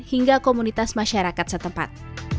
hingga komunitas masyarakat setempat